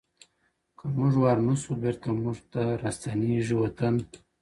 که موږ ورنه شو، بېرته موږ ته راستنیږي وطن